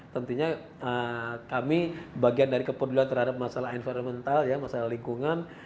tentunya kami bagian dari kepedulian terhadap masalah environmental ya masalah lingkungan